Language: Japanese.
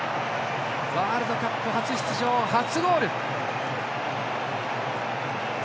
ワールドカップ初出場、初ゴール。